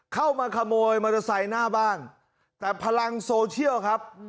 เข้ามาขโมยมอเตอร์ไซค์หน้าบ้านแต่พลังโซเชียลครับ